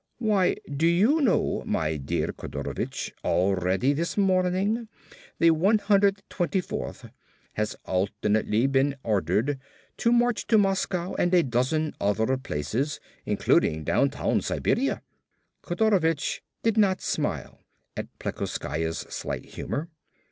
Why do you know, my dear Kodorovich, already this morning the 124th has alternately been ordered to march to Moscow and a dozen other places including downtown Siberia." Kodorovich did not smile at Plekoskaya's slight humor.